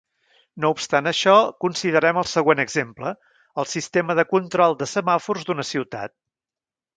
No obstant això, considerem el següent exemple: el sistema de control de semàfors d'una ciutat.